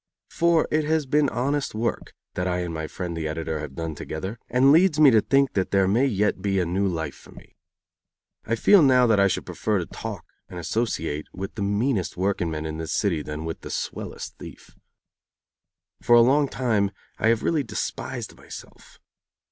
For it has been honest work that I and my friend the editor have done together, and leads me to think that there may yet be a new life for me. I feel now that I should prefer to talk and associate with the meanest workingman in this city than with the swellest thief. For a long time I have really despised myself.